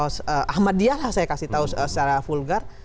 sama dialah saya kasih tahu secara vulgar